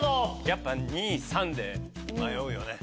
やっぱ２３で迷うよね。